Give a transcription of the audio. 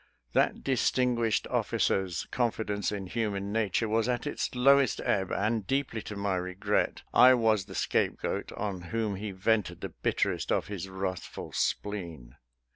That distinguished officer's confidence in human nature was at its lowest ebb, and, deeply to my regret, I was the scape goat on whom he vented the bitterest of his wrathful spleen.